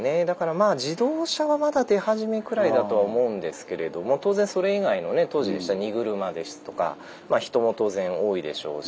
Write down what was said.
まあ自動車はまだ出始めくらいだとは思うんですけれども当然それ以外のね当時でしたら荷車ですとか人も当然多いでしょうし。